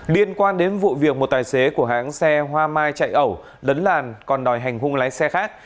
liên quan đến vụ việc một tài xế của hãng xe hoa mai chạy ẩu lấn làn còn đòi hành hung lái xe khác